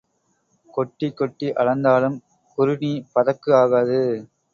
கொட்டிக் கொட்டி அளந்தாலும் குறுணி பதக்கு ஆகாது.